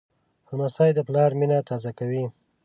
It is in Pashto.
لمسی د پلار مینه تازه کوي.